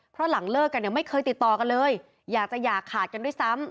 เพราะหลังเลิกกันเนี่ยไม่เคยติดต่อกันเลยอยากจะอย่าขาดกันด้วยซ้ำ